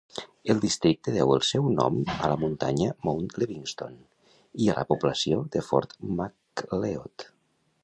El districte deu el seu nom a la muntanya Mount Livingstone i a la població de Fort Macleod.